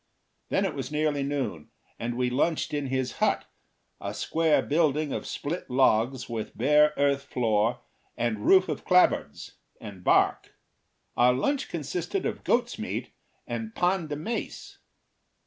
Then it was nearly noon, and we lunched in his hut, a square building of split logs, with bare earth floor, and roof of clap boards and bark. Our lunch consisted of goat's meat and pan de mais.